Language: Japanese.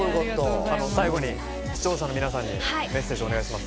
最後に視聴者の皆様にメッセージをお願いします。